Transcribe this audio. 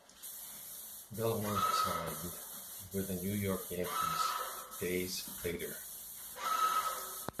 Bellhorn signed with the New York Yankees days later.